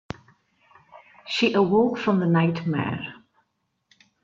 She awoke from the nightmare.